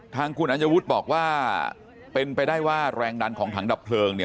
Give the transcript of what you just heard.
ทางคุณอัญวุฒิบอกว่าเป็นไปได้ว่าแรงดันของถังดับเพลิงเนี่ย